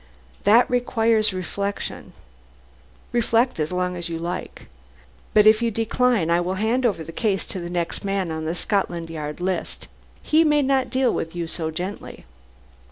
"That requires reflection." "Reflect as long as you like. But if you decline, I will hand the case over to the next man on the Scotland Yard list. He may not deal with you so gently."